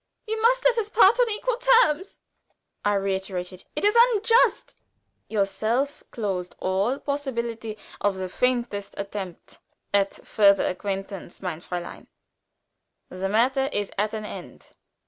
"You must let us part on equal terms," I reiterated. "It is unjust " "Yourself closed all possibility of the faintest attempt at further acquaintance, mein Fräulein. The matter is at an end."